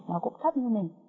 nó cũng thấp như mình